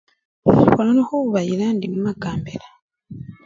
Mbo nono khubayila indi mumakambila.